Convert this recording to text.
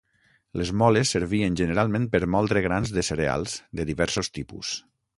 Les moles servien generalment per moldre grans de cereals de diversos tipus.